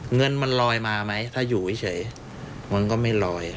เงินมันลอยมาไหมถ้าอยู่เฉยมันก็ไม่ลอย